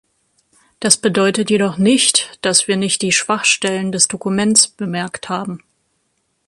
Das bedeutet jedoch nicht, dass wir nicht die Schwachstellen des Dokuments bemerkt haben.